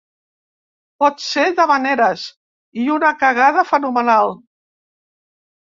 Pot ser d'havaneres i una cagada fenomenal.